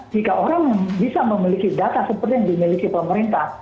jika orang bisa memiliki data seperti yang dimiliki pemerintah